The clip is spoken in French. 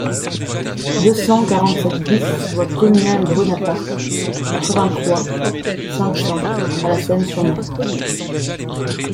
deux cent quarante-sept BIS voie Communale Bonaparte, quatre-vingt-trois, cinq cents à La Seyne-sur-Mer